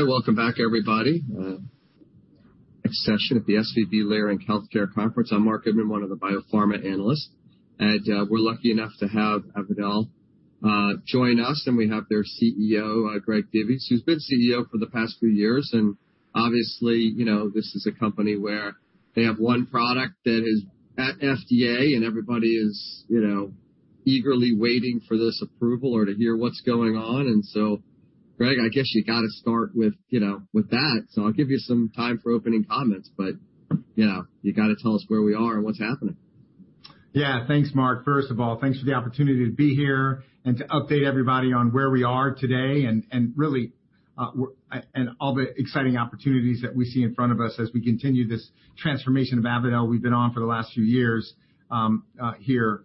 Hi. Welcome back everybody. Next session at the SVB Leerink Healthcare Conference. I'm Marc Goodman, one of the biopharma analysts, and we're lucky enough to have Avadel join us, and we have their CEO, Greg Divis, who's been CEO for the past few years. Obviously, you know, this is a company where they have one product that is at FDA and everybody is, you know, eagerly waiting for this approval or to hear what's going on. Greg, I guess you got to start with, you know, with that. I'll give you some time for opening comments. You know, you got to tell us where we are and what's happening. Yeah. Thanks, Marc. First of all, thanks for the opportunity to be here and to update everybody on where we are today and really and all the exciting opportunities that we see in front of us as we continue this transformation of Avadel we've been on for the last few years, here.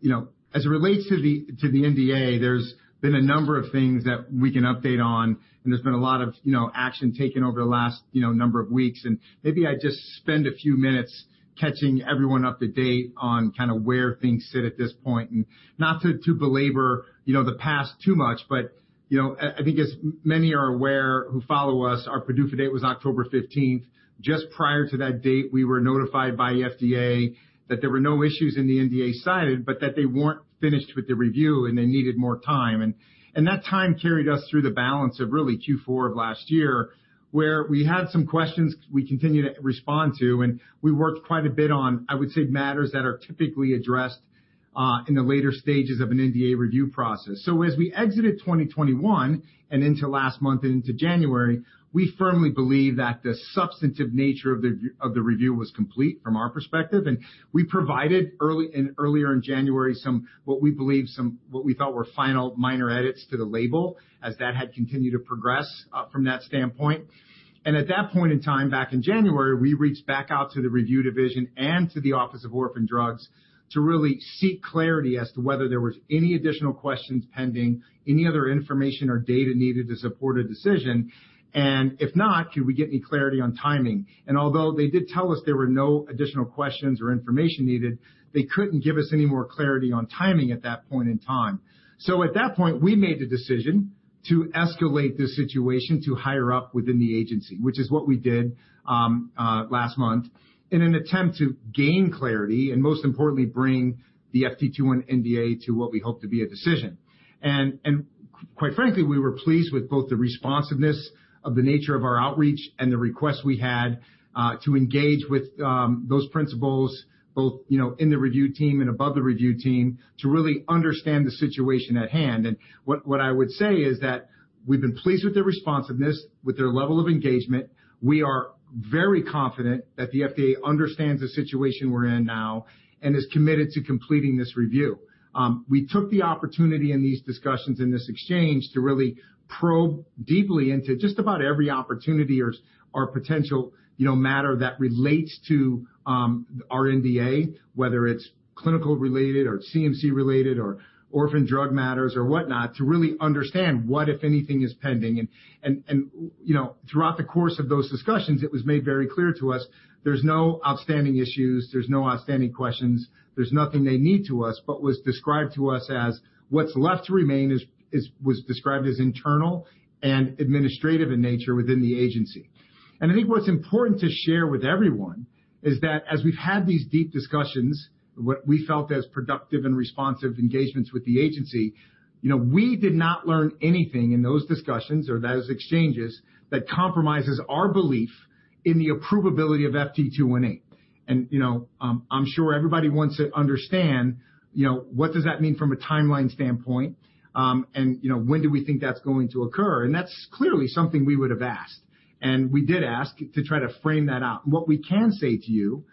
You know, as it relates to the NDA, there's been a number of things that we can update on, and there's been a lot of, you know, action taken over the last, you know, number of weeks. Maybe I just spend a few minutes catching everyone up to date on kind of where things sit at this point. Not to belabor, you know, the past too much, but, you know, I think as many are aware who follow us, our PDUFA date was October 15th. Just prior to that date, we were notified by FDA that there were no issues in the NDA cited, but that they weren't finished with the review, and they needed more time. That time carried us through the balance of really Q4 of last year, where we had some questions we continued to respond to, and we worked quite a bit on, I would say, matters that are typically addressed in the later stages of an NDA review process. As we exited 2021 and into last month and into January, we firmly believe that the substantive nature of the review was complete from our perspective. We provided earlier in January some what we thought were final minor edits to the label as that had continued to progress from that standpoint. At that point in time, back in January, we reached back out to the review division and to the Office of Orphan Products Development to really seek clarity as to whether there was any additional questions pending, any other information or data needed to support a decision. If not, could we get any clarity on timing? Although they did tell us there were no additional questions or information needed, they couldn't give us any more clarity on timing at that point in time. At that point, we made the decision to escalate the situation to higher up within the agency, which is what we did last month, in an attempt to gain clarity and most importantly, bring the FT218 NDA to what we hope to be a decision. Quite frankly, we were pleased with both the responsiveness of the nature of our outreach and the request we had to engage with those principals, both, you know, in the review team and above the review team, to really understand the situation at hand. What I would say is that we've been pleased with their responsiveness, with their level of engagement. We are very confident that the FDA understands the situation we're in now and is committed to completing this review. We took the opportunity in these discussions, in this exchange, to really probe deeply into just about every opportunity or potential, you know, matter that relates to our NDA, whether it's clinical related or CMC related or orphan drug matters or whatnot, to really understand what, if anything, is pending. You know, throughout the course of those discussions, it was made very clear to us there's no outstanding issues, there's no outstanding questions, there's nothing they need to us, but was described to us as what's left to remain was described as internal and administrative in nature within the agency. I think what's important to share with everyone is that as we've had these deep discussions, what we felt as productive and responsive engagements with the agency, you know, we did not learn anything in those discussions or those exchanges that compromises our belief in the approvability of FT218. I'm sure everybody wants to understand, you know, what does that mean from a timeline standpoint, and, you know, when do we think that's going to occur? That's clearly something we would have asked, and we did ask to try to frame that out. What we can say to you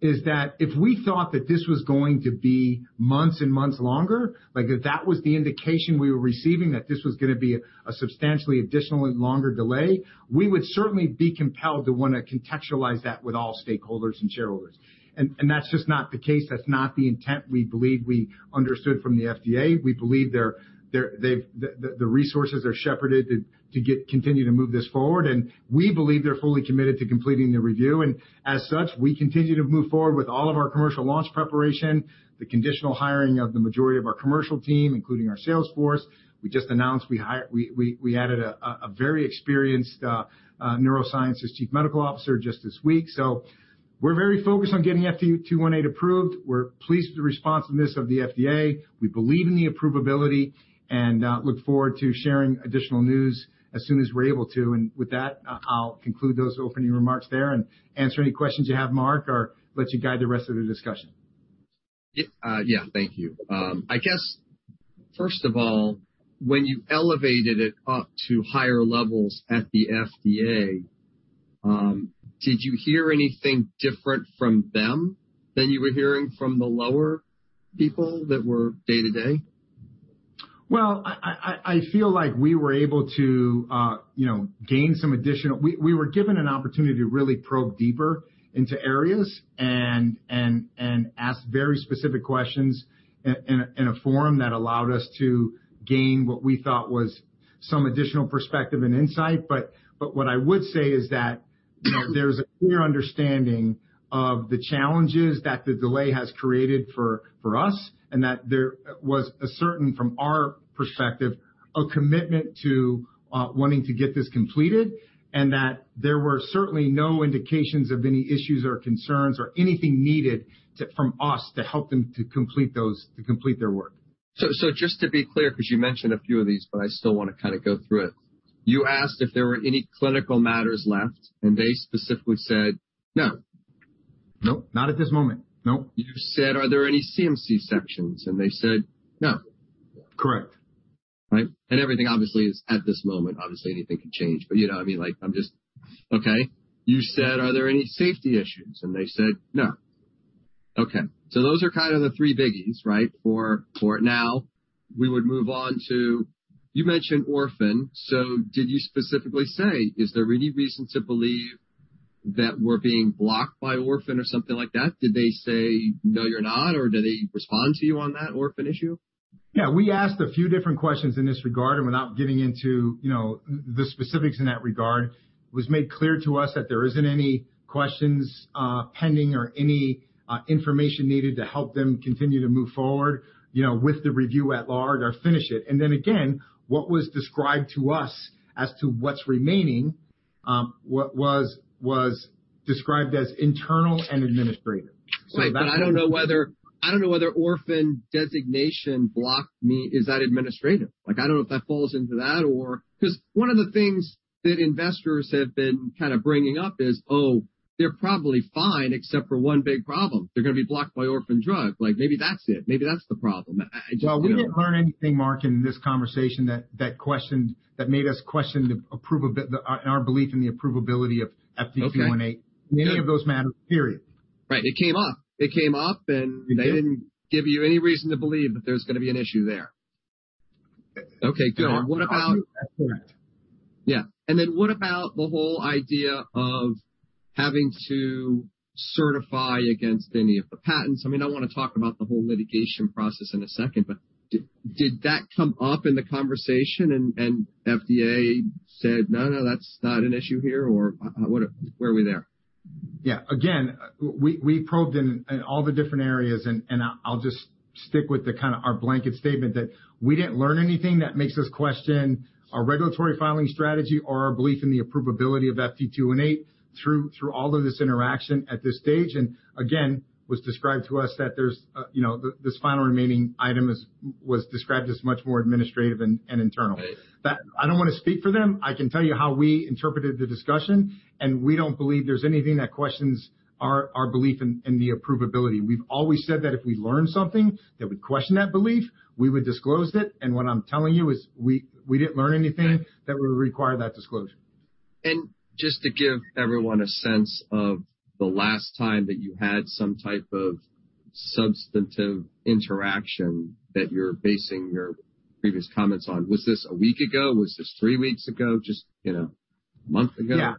is that if we thought that this was going to be months and months longer, like if that was the indication we were receiving, that this was gonna be a substantially additionally longer delay, we would certainly be compelled to wanna contextualize that with all stakeholders and shareholders. That's just not the case. That's not the intent we believe we understood from the FDA. We believe the resources are shepherded to continue to move this forward. We believe they're fully committed to completing the review. As such, we continue to move forward with all of our commercial launch preparation, the conditional hiring of the majority of our commercial team, including our sales force. We just announced we added a very experienced neurosciences Chief Medical Officer just this week. We're very focused on getting FT218 approved. We're pleased with the responsiveness of the FDA. We believe in the approvability and look forward to sharing additional news as soon as we're able to. With that, I'll conclude those opening remarks there and answer any questions you have, Marc, or let you guide the rest of the discussion. Yeah. Thank you. I guess, first of all, when you elevated it up to higher levels at the FDA, did you hear anything different from them than you were hearing from the lower people that were day-to-day? Well, I feel like we were able to, you know, gain some additional. We were given an opportunity to really probe deeper into areas and ask very specific questions in a forum that allowed us to gain what we thought was some additional perspective and insight. What I would say is that you know, there's a clear understanding of the challenges that the delay has created for us, and that there was a certain, from our perspective, a commitment to wanting to get this completed, and that there were certainly no indications of any issues or concerns or anything needed from us to help them complete their work. Just to be clear, because you mentioned a few of these, but I still wanna kind of go through it. You asked if there were any clinical matters left, and they specifically said, "No. No, not at this moment. No. You said, "Are there any CMC sections?" They said, "No. Correct. Right. Everything obviously is at this moment. Obviously, anything can change. You know, I mean, like, I'm just okay. You said, "Are there any safety issues?" They said, "No." Okay. Those are kind of the three biggies, right? For now, we would move on to you mentioned Orphan. Did you specifically say, "Is there any reason to believe that we're being blocked by Orphan or something like that?" Did they say, "No, you're not?" Or did they respond to you on that Orphan issue? Yeah, we asked a few different questions in this regard, and without getting into, you know, the specifics in that regard, it was made clear to us that there isn't any questions, pending or any, information needed to help them continue to move forward, you know, with the review at large or finish it. Then again, what was described to us as to what's remaining, what was described as internal and administrative. Right. I don't know whether Orphan designation blocked me. Is that administrative? Like, I don't know if that falls into that. 'Cause one of the things that investors have been kind of bringing up is, oh, they're probably fine, except for one big problem. They're gonna be blocked by Orphan Drug. Like, maybe that's it. Maybe that's the problem. I just, you know. Well, we didn't learn anything, Marc, in this conversation that made us question our belief in the approvability of FT218. Okay. Any of those matters, period. Right. It came up, and they didn't give you any reason to believe that there's gonna be an issue there. Okay, good. What about- That's correct. Yeah. Then what about the whole idea of having to certify against any of the patents? I mean, I wanna talk about the whole litigation process in a second, but did that come up in the conversation and FDA said, "No, no, that's not an issue here," or what, where are we there? Yeah. Again, we probed in all the different areas, and I'll just stick with kinda our blanket statement that we didn't learn anything that makes us question our regulatory filing strategy or our belief in the approvability of FT218 through all of this interaction at this stage. Again, it was described to us that there's this final remaining item described as much more administrative and internal. But I don't wanna speak for them. I can tell you how we interpreted the discussion, and we don't believe there's anything that questions our belief in the approvability. We've always said that if we learn something that would question that belief, we would disclose it. What I'm telling you is we didn't learn anything- Right. That would require that disclosure. Just to give everyone a sense of the last time that you had some type of substantive interaction that you're basing your previous comments on, was this a week ago? Was this three weeks ago? Just, you know, a month ago?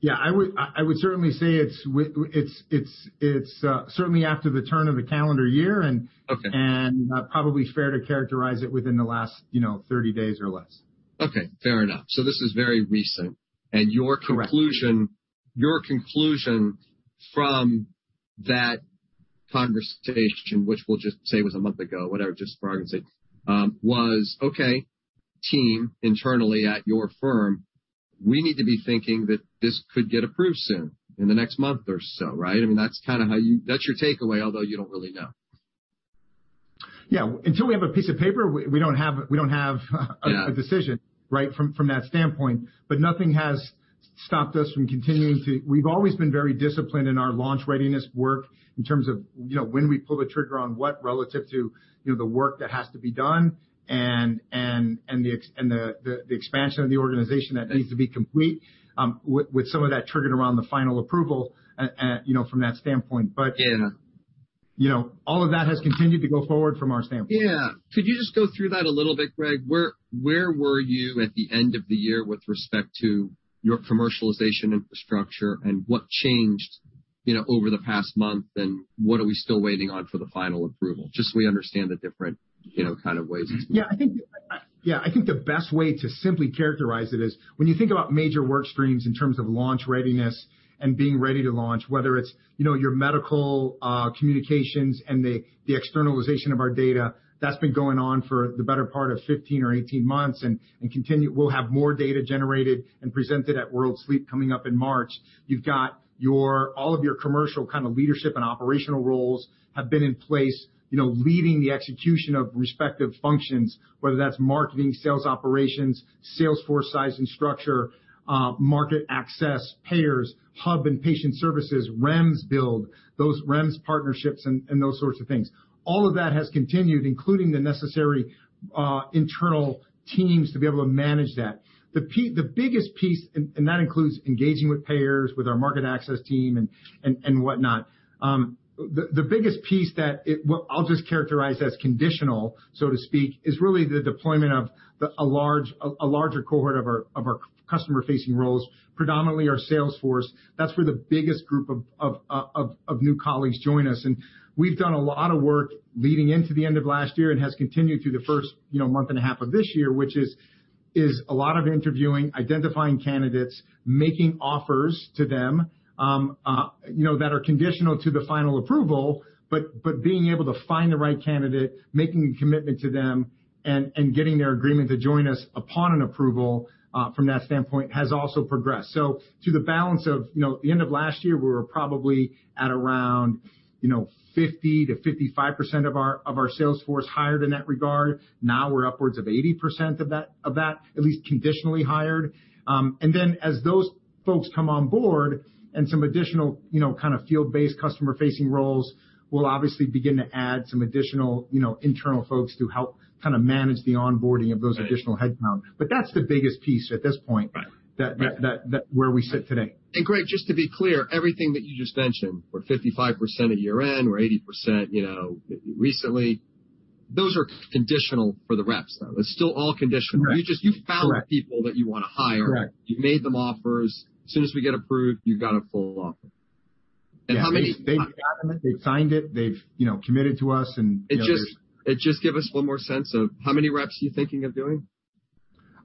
Yeah. I would certainly say it's certainly after the turn of the calendar year and. Okay. probably fair to characterize it within the last, you know, 30 days or less. Okay, fair enough. This is very recent. Correct. Your conclusion from that conversation, which we'll just say was a month ago, whatever, just for argument sake, was okay, team internally at your firm, we need to be thinking that this could get approved soon in the next month or so, right? I mean, that's your takeaway, although you don't really know. Yeah. Until we have a piece of paper, we don't have a decision. Yeah. Right? From that standpoint. Nothing has stopped us from continuing. We've always been very disciplined in our launch readiness work in terms of, you know, when we pull the trigger on what relative to, you know, the work that has to be done and the expansion of the organization that needs to be complete, with some of that triggered around the final approval, you know, from that standpoint. Yeah. You know, all of that has continued to go forward from our standpoint. Yeah. Could you just go through that a little bit, Greg? Where were you at the end of the year with respect to your commercialization infrastructure and what changed, you know, over the past month, and what are we still waiting on for the final approval? Just so we understand the different, you know, kind of ways it's moving. I think the best way to simply characterize it is when you think about major work streams in terms of launch readiness and being ready to launch, whether it's, you know, our medical communications and the externalization of our data. That's been going on for the better part of 15 months or 18 months and continue. We'll have more data generated and presented at World Sleep coming up in March. You've got all of our commercial kinda leadership and operational roles have been in place, you know, leading the execution of respective functions, whether that's marketing, sales operations, sales force size and structure, market access, payers, hub and patient services, REMS build, those REMS partnerships and those sorts of things. All of that has continued, including the necessary internal teams to be able to manage that. The biggest piece, and that includes engaging with payers, with our market access team and whatnot. The biggest piece what I'll just characterize as conditional, so to speak, is really the deployment of a larger cohort of our customer-facing roles, predominantly our sales force. That's where the biggest group of new colleagues join us. We've done a lot of work leading into the end of last year and has continued through the first, you know, month and a half of this year, which is a lot of interviewing, identifying candidates, making offers to them, you know, that are conditional to the final approval, but being able to find the right candidate, making a commitment to them and getting their agreement to join us upon an approval, from that standpoint, has also progressed. To the balance of, you know, at the end of last year, we were probably at around, you know, 50%-55% of our sales force hired in that regard. Now we're upwards of 80% of that, at least conditionally hired. As those folks come on board and some additional, you know, kind of field-based customer-facing roles, we'll obviously begin to add some additional, you know, internal folks to help kind of manage the onboarding of those additional headcount. That's the biggest piece at this point. Right. That where we sit today. Greg, just to be clear, everything that you just mentioned, we're 55% at year-end, we're 80%, you know, recently, those are conditional for the reps, though. It's still all conditional. Correct. You just, you found the people that you wanna hire. Correct. You've made them offers. As soon as we get approved, you've got a full offer. Yes. How many- They've got them, they've signed it, you know, committed to us and, you know. Just give us one more sense of how many reps you're thinking of doing.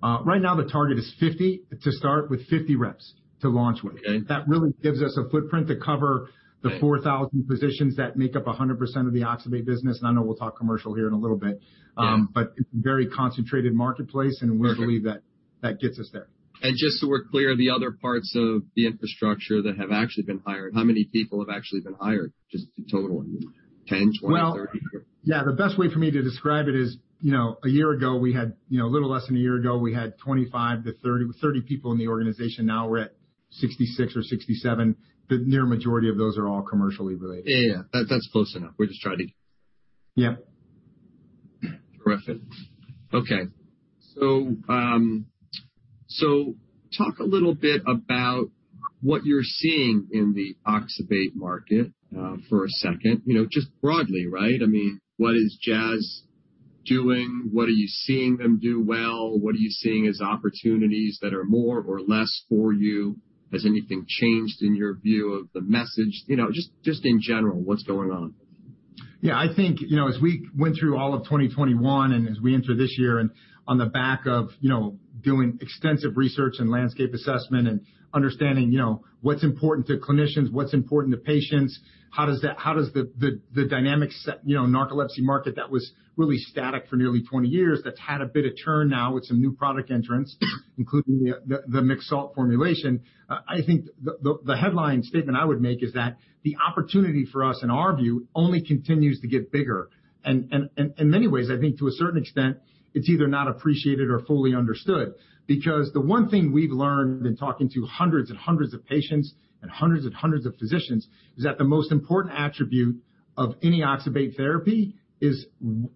Right now the target is 50 reps. To start with 50 reps to launch with. Okay. That really gives us a footprint to cover the 4,000 positions that make up 100% of the oxybate business. I know we'll talk commercial here in a little bit. Yes. It's a very concentrated marketplace, and we believe that that gets us there. Just so we're clear, the other parts of the infrastructure that have actually been hired, how many people have actually been hired? Just the total. 10 people, 20 people, 30 people? Well, yeah, the best way for me to describe it is, you know, a little less than a year ago, we had 25 people to 30 people in the organization. Now we're at 66 or 67. The near majority of those are all commercially related. Yeah. That's close enough. We're just trying to. Yeah. Perfect. Okay. Talk a little bit about what you're seeing in the oxybate market, for a second, you know, just broadly, right? I mean, what is Jazz doing? What are you seeing them do well? What are you seeing as opportunities that are more or less for you? Has anything changed in your view of the message? You know, just in general, what's going on? Yeah, I think, you know, as we went through all of 2021, and as we enter this year and on the back of, you know, doing extensive research and landscape assessment and understanding, you know, what's important to clinicians, what's important to patients, how does the dynamics, you know, narcolepsy market that was really static for nearly 20 years, that's had a bit of a turn now with some new product entrants, including the mixed salt formulation. I think the headline statement I would make is that the opportunity for us, in our view, only continues to get bigger. In many ways, I think to a certain extent, it's either not appreciated or fully understood. Because the one thing we've learned in talking to hundreds and hundreds of patients and hundreds and hundreds of physicians is that the most important attribute of any oxybate therapy is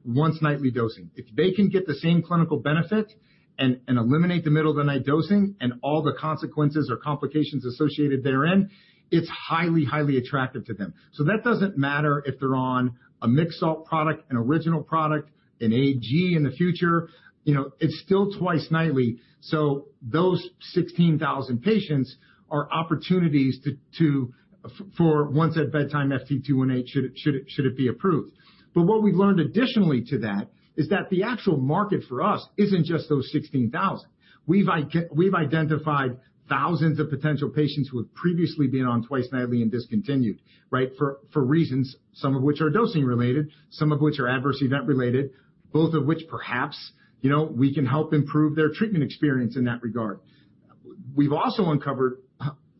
once nightly dosing. If they can get the same clinical benefit and eliminate the middle of the night dosing and all the consequences or complications associated therein, it's highly attractive to them. That doesn't matter if they're on a mixed salt product, an original product, an AG in the future, you know, it's still twice nightly. Those 16,000 patients are opportunities for once at bedtime, FT218, should it be approved. What we've learned additionally to that is that the actual market for us isn't just those 16,000 patients. We've identified thousands of potential patients who have previously been on twice nightly and discontinued, right? For reasons, some of which are dosing related, some of which are adverse event related, both of which perhaps, you know, we can help improve their treatment experience in that regard. We've also uncovered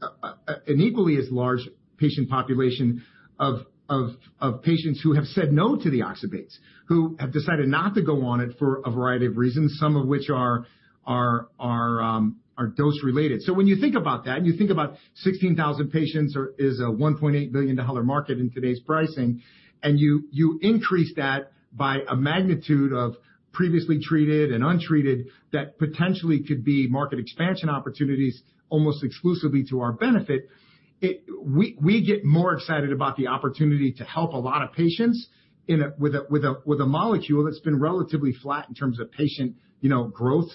an equally as large patient population of patients who have said no to the oxybates, who have decided not to go on it for a variety of reasons, some of which are dose related. When you think about that, you think about 16,000 patients or it's a $1.8 billion market in today's pricing, and you increase that by a magnitude of previously treated and untreated, that potentially could be market expansion opportunities almost exclusively to our benefit. We get more excited about the opportunity to help a lot of patients with a molecule that's been relatively flat in terms of patient, you know, growth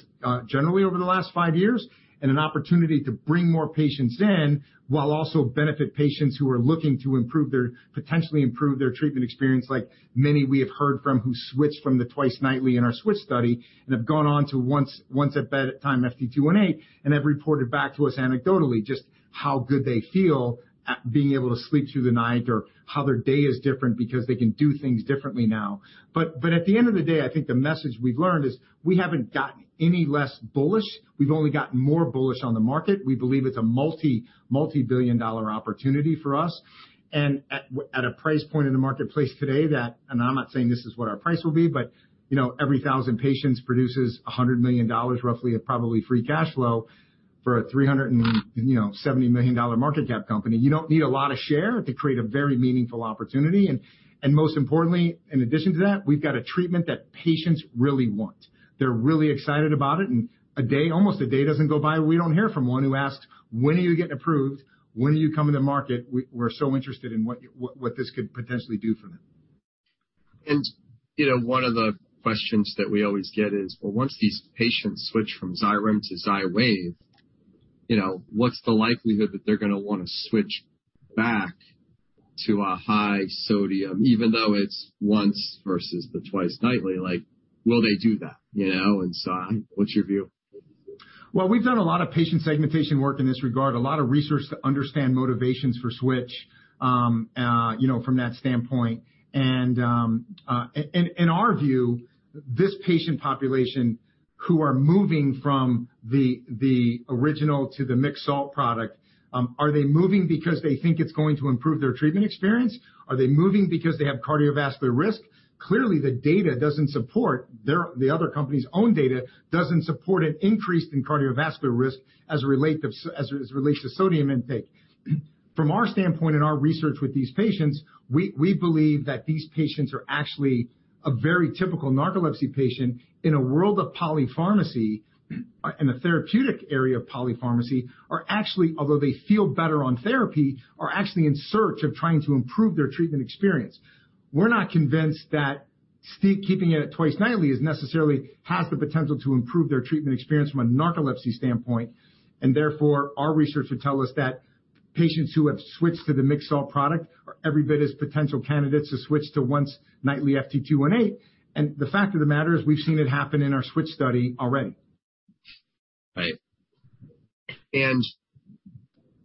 generally over the last five years, and an opportunity to bring more patients in while also benefiting patients who are looking to potentially improve their treatment experience like many we have heard from who switched from the twice nightly in our switch study and have gone on to once a bed at a time FT218 and have reported back to us anecdotally just how good they feel at being able to sleep through the night or how their day is different because they can do things differently now. At the end of the day, I think the message we've learned is we haven't gotten any less bullish. We've only gotten more bullish on the market. We believe it's a multi-billion dollar opportunity for us, and at a price point in the marketplace today that and I'm not saying this is what our price will be, but, you know, every 1,000 patients produces $100 million, roughly a probably free cash flow for a $370 million market cap company. You don't need a lot of share to create a very meaningful opportunity. Most importantly, in addition to that, we've got a treatment that patients really want. They're really excited about it. Almost a day doesn't go by, we don't hear from one who asks, "When are you getting approved? When are you coming to market? We're so interested in what this could potentially do for me. You know, one of the questions that we always get is, well, once these patients switch from Xyrem to Xywav. You know, what's the likelihood that they're gonna wanna switch back to a high sodium, even though it's once versus the twice nightly? Like, will they do that, you know? What's your view? Well, we've done a lot of patient segmentation work in this regard, a lot of research to understand motivations for switch, you know, from that standpoint. In our view, this patient population who are moving from the original to the mixed salt product, are they moving because they think it's going to improve their treatment experience? Are they moving because they have cardiovascular risk? Clearly, the data doesn't support the other company's own data doesn't support an increase in cardiovascular risk as it relates to sodium intake. From our standpoint in our research with these patients, we believe that these patients are actually a very typical narcolepsy patient in a world of polypharmacy, in a therapeutic area of polypharmacy, although they feel better on therapy, are actually in search of trying to improve their treatment experience. We're not convinced that sticking to keeping it at twice nightly is necessarily the potential to improve their treatment experience from a narcolepsy standpoint, and therefore, our research would tell us that patients who have switched to the mixed salt product are every bit as potential candidates to switch to once nightly FT218. The fact of the matter is we've seen it happen in our switch study already. Right.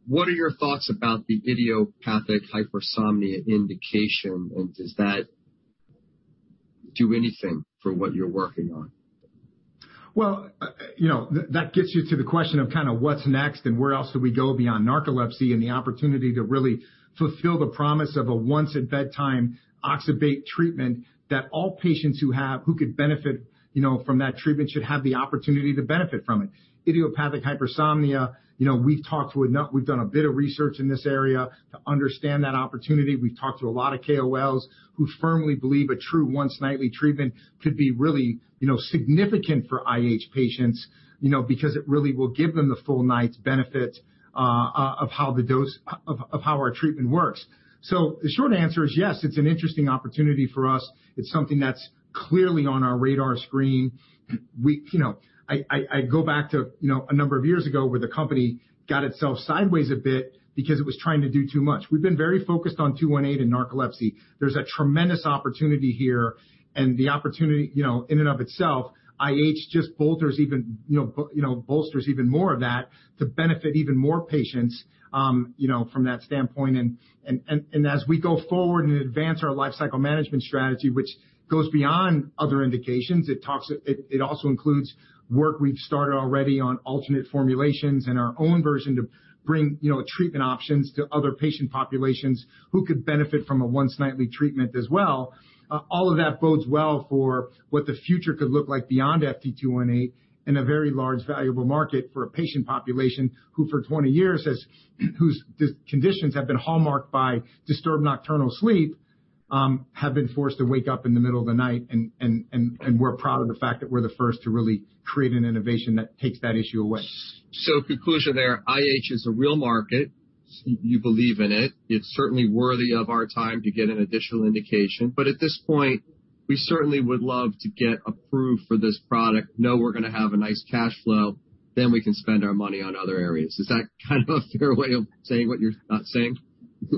What are your thoughts about the idiopathic hypersomnia indication, and does that do anything for what you're working on? Well, you know, that gets you to the question of kinda what's next and where else do we go beyond narcolepsy and the opportunity to really fulfill the promise of a once at bedtime oxybate treatment that all patients who could benefit, you know, from that treatment should have the opportunity to benefit from it. Idiopathic hypersomnia, you know, we've done a bit of research in this area to understand that opportunity. We've talked to a lot of KOLs who firmly believe a true once nightly treatment could be really, you know, significant for IH patients, you know, because it really will give them the full night's benefit of how our treatment works. So the short answer is yes, it's an interesting opportunity for us. It's something that's clearly on our radar screen. We, you know. I go back to, you know, a number of years ago where the company got itself sideways a bit because it was trying to do too much. We've been very focused on FT218 and narcolepsy. There's a tremendous opportunity here, and the opportunity, you know, in and of itself, IH just bolsters even more of that to benefit even more patients, you know, from that standpoint. As we go forward and advance our lifecycle management strategy, which goes beyond other indications, it also includes work we've started already on alternate formulations and our own version to bring, you know, treatment options to other patient populations who could benefit from a once nightly treatment as well. All of that bodes well for what the future could look like beyond FT218 and a very large valuable market for a patient population who for 20 years whose conditions have been hallmarked by disturbed nocturnal sleep have been forced to wake up in the middle of the night. We're proud of the fact that we're the first to really create an innovation that takes that issue away. Conclusion there, IH is a real market. You believe in it. It's certainly worthy of our time to get an additional indication. At this point, we certainly would love to get approved for this product, know we're gonna have a nice cash flow, then we can spend our money on other areas. Is that kind of a fair way of saying what you're not saying?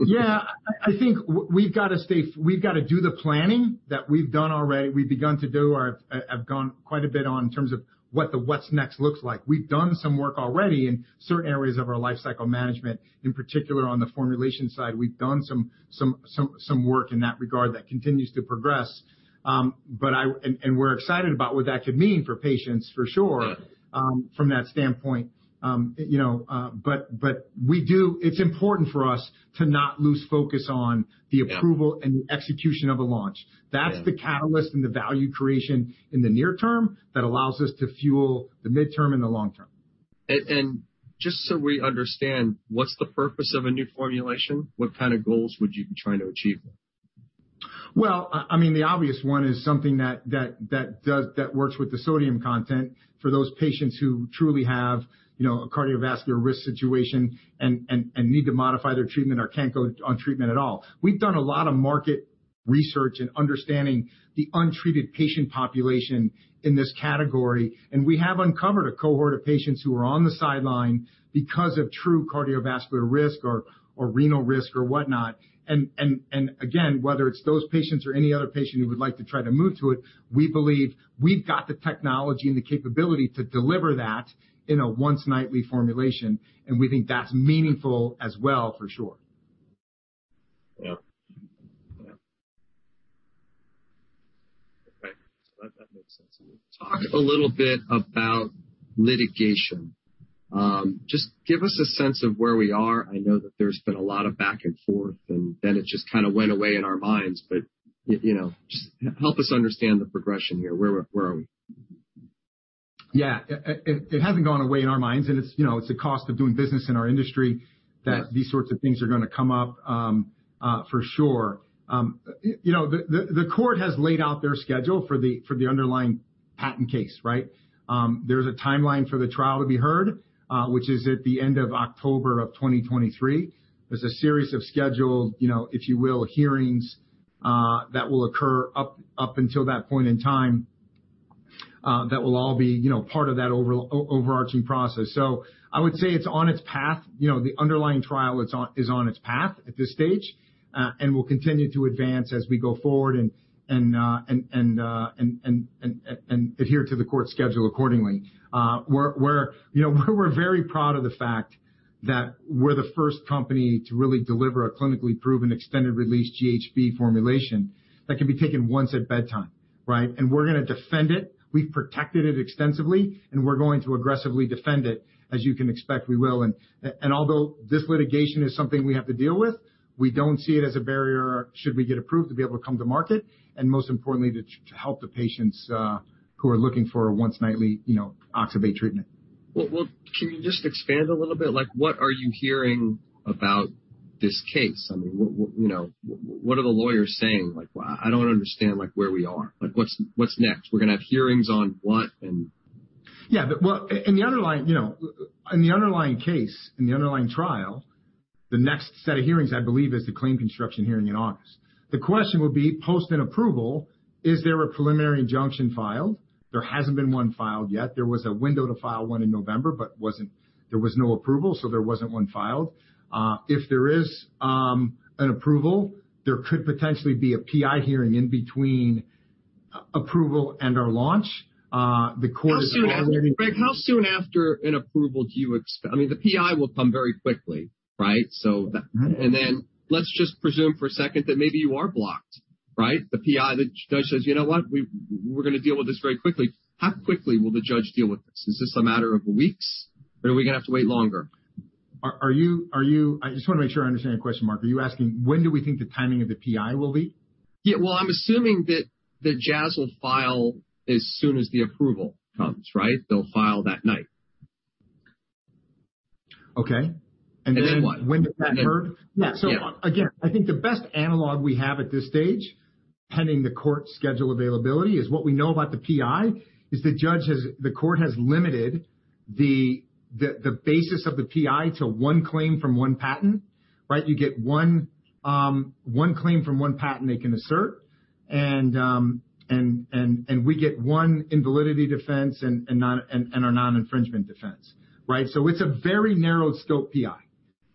Yeah. I think we've gotta do the planning that we've done already. We've begun to do or have gone quite a bit on in terms of what's next looks like. We've done some work already in certain areas of our lifecycle management, in particular on the formulation side. We've done some work in that regard that continues to progress, but we're excited about what that could mean for patients for sure. Yeah. From that standpoint. You know, but it's important for us to not lose focus on the approval- Yeah. and the execution of a launch. Yeah. That's the catalyst and the value creation in the near term that allows us to fuel the midterm and the long term. Just so we understand, what's the purpose of a new formulation? What kind of goals would you be trying to achieve? Well, I mean, the obvious one is something that works with the sodium content for those patients who truly have, you know, a cardiovascular risk situation and need to modify their treatment or can't go on treatment at all. We've done a lot of market research and understanding the untreated patient population in this category, and we have uncovered a cohort of patients who are on the sideline because of true cardiovascular risk or renal risk or whatnot. Again, whether it's those patients or any other patient who would like to try to move to it, we believe we've got the technology and the capability to deliver that in a once-nightly formulation, and we think that's meaningful as well for sure. Yeah. Yeah. Okay. That makes sense. Talk a little bit about litigation. Just give us a sense of where we are. I know that there's been a lot of back and forth, and then it just kinda went away in our minds. You know, just help us understand the progression here. Where are we? Yeah. It hasn't gone away in our minds, and it's, you know, a cost of doing business in our industry- Yes. that these sorts of things are gonna come up, for sure. You know, the court has laid out their schedule for the underlying patent case, right? There's a timeline for the trial to be heard, which is at the end of October 2023. There's a series of scheduled, you know, if you will, hearings that will occur up until that point in time. That will all be, you know, part of that overarching process. I would say it's on its path. You know, the underlying trial is on its path at this stage, and will continue to advance as we go forward and adhere to the court schedule accordingly. We're, you know, we're very proud of the fact that we're the first company to really deliver a clinically proven extended-release GHB formulation that can be taken once at bedtime, right? We're gonna defend it, we've protected it extensively, and we're going to aggressively defend it as you can expect we will. Although this litigation is something we have to deal with, we don't see it as a barrier should we get approved to be able to come to market, and most importantly, to help the patients who are looking for a once nightly, you know, oxybate treatment. Well, can you just expand a little bit? Like, what are you hearing about this case? I mean, what, you know, what are the lawyers saying? Like, I don't understand, like, where we are. Like, what's next? We're gonna have hearings on what? In the underlying case, you know, in the underlying trial, the next set of hearings, I believe, is the claim construction hearing in August. The question will be, post an approval, is there a preliminary injunction filed. There hasn't been one filed yet. There was a window to file one in November, but there was no approval, so there wasn't one filed. If there is an approval, there could potentially be a PI hearing in between approval and our launch. The court is already Greg, how soon after an approval do you expect, I mean, the PI will come very quickly, right? So that. Right. Let's just presume for a second that maybe you are blocked, right? The PI, the judge says, "You know what? We're gonna deal with this very quickly." How quickly will the judge deal with this? Is this a matter of weeks, or are we gonna have to wait longer? I just wanna make sure I understand the question, Marc. Are you asking when do we think the timing of the PI will be? Yeah. Well, I'm assuming that Jazz will file as soon as the approval comes, right? They'll file that night. Okay. What? When does that hearing? Yeah. Yeah. Again, I think the best analog we have at this stage, pending the court schedule availability, is what we know about the PI. The court has limited the basis of the PI to one claim from one patent, right? You get one claim from one patent they can assert. We get one invalidity defense and a non-infringement defense, right? It's a very narrow scope PI,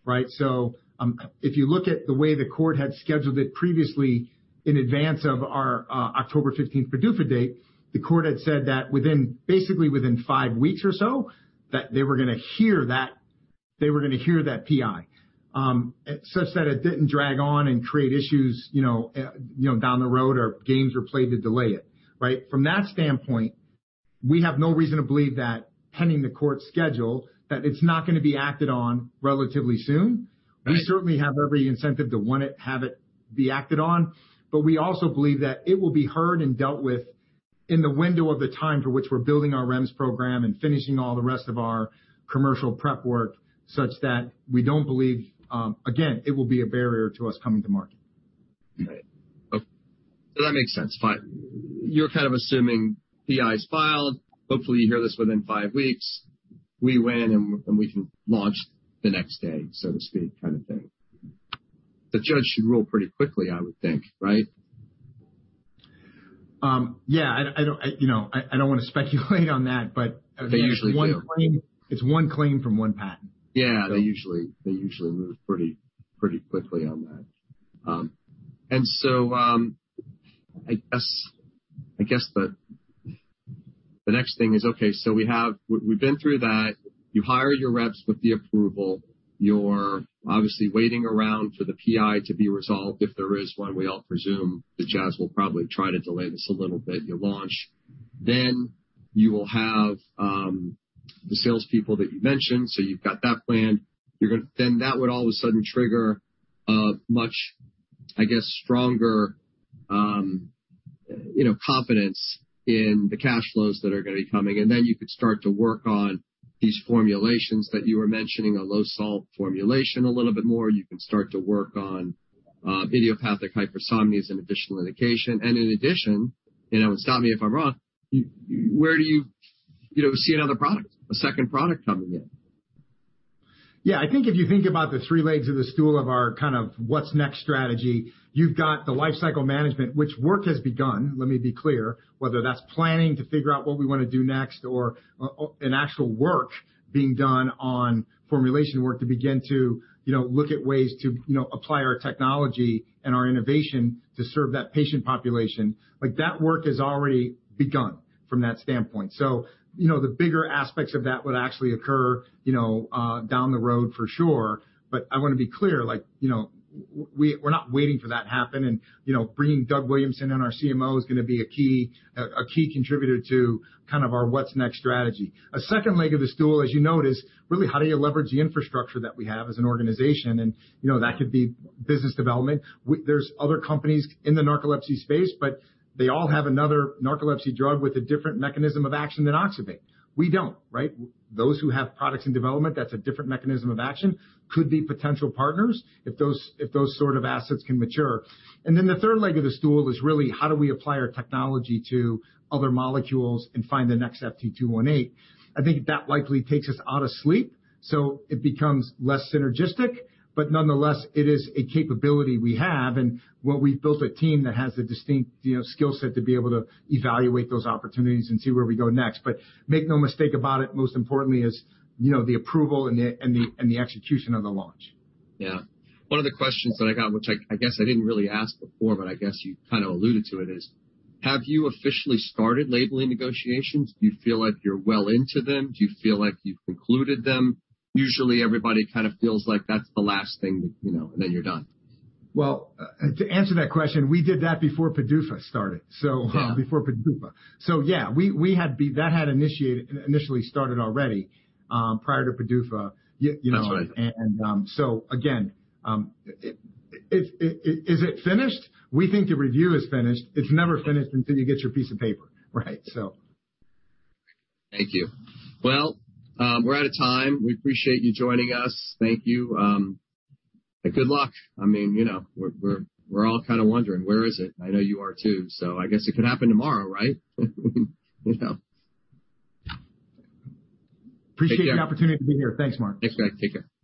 right? If you look at the way the court had scheduled it previously in advance of our October 15th PDUFA date, the court had said that within, basically within five weeks or so, that they were gonna hear that PI, such that it didn't drag on and create issues, you know, you know, down the road or games were played to delay it, right? From that standpoint, we have no reason to believe that pending the court's schedule, that it's not gonna be acted on relatively soon. Right. We certainly have every incentive to want it, have it be acted on, but we also believe that it will be heard and dealt with in the window of the time for which we're building our REMS program and finishing all the rest of our commercial prep work such that we don't believe, again, it will be a barrier to us coming to market. Right. That makes sense. Fine. You're kind of assuming PI's filed, hopefully you hear this within five weeks, we win and we can launch the next day, so to speak, kind of thing. The judge should rule pretty quickly, I would think, right? Yeah. I don't, you know, I don't wanna speculate on that, but. They usually do. It's one claim from one patent. Yeah. They usually move pretty quickly on that. I guess the next thing is. We've been through that. You hire your reps with the approval. You're obviously waiting around for the PI to be resolved. If there is one, we all presume that Jazz will probably try to delay this a little bit. You launch. Then you will have the salespeople that you mentioned, so you've got that planned. Then that would all of a sudden trigger a much stronger, I guess, you know, confidence in the cash flows that are gonna be coming. Then you could start to work on these formulations that you were mentioning, a low salt formulation a little bit more. You can start to work on idiopathic hypersomnia and additional indication. In addition, you know, and stop me if I'm wrong, you, where do you know, see another product, a second product coming in? Yeah. I think if you think about the three legs of the stool of our kind of what's next strategy, you've got the lifecycle management, which work has begun, let me be clear, whether that's planning to figure out what we wanna do next or an actual work being done on formulation work to begin to, you know, look at ways to, you know, apply our technology and our innovation to serve that patient population. Like, that work has already begun from that standpoint. You know, the bigger aspects of that would actually occur, you know, down the road for sure, but I wanna be clear, like, you know, we're not waiting for that to happen and, you know, bringing Doug Williamson in, our CMO, is gonna be a key contributor to kind of our what's next strategy. A second leg of the stool, as you note, is really how do you leverage the infrastructure that we have as an organization and, you know, that could be business development. There's other companies in the narcolepsy space, but they all have another narcolepsy drug with a different mechanism of action than oxybate. We don't, right? Those who have products in development that's a different mechanism of action could be potential partners if those, if those sort of assets can mature. The third leg of the stool is really how do we apply our technology to other molecules and find the next FT218. I think that likely takes us out of sleep, so it becomes less synergistic. Nonetheless, it is a capability we have, and well we've built a team that has the distinct, you know, skill set to be able to evaluate those opportunities and see where we go next. Make no mistake about it, most importantly is, you know, the approval and the execution of the launch. Yeah. One of the questions that I got, which I guess I didn't really ask before, but I guess you kind of alluded to it is, have you officially started labeling negotiations? Do you feel like you're well into them? Do you feel like you've concluded them? Usually, everybody kind of feels like that's the last thing that, you know, and then you're done. Well, to answer that question, we did that before PDUFA started. Yeah. Before PDUFA. Yeah, we had that had initiated, initially started already, prior to PDUFA you know. That's right. Again, is it finished? We think the review is finished. It's never finished until you get your piece of paper, right? Thank you. Well, we're out of time. We appreciate you joining us. Thank you. And good luck. I mean, you know, we're all kinda wondering, where is it? I know you are too. I guess it could happen tomorrow, right? You know. Appreciate the opportunity to be here. Thanks, Marc. Thanks, Greg. Take care.